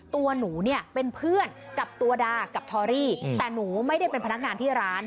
ตัวหนูเนี่ยเป็นเพื่อนกับตัวดากับทอรี่แต่หนูไม่ได้เป็นพนักงานที่ร้าน